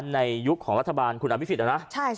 ในยุคของรัฐบาลคุณอับวิสิทธิ์แล้วนะ